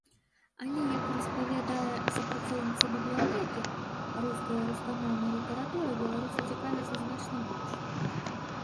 Але, як распавядае супрацоўніца бібліятэкі, рускай і рускамоўнай літаратурай беларусы цікавяцца значна больш.